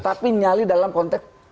tapi nyali dalam konteks